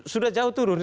sudah jauh turun